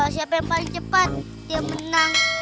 siapa yang paling cepat yang menang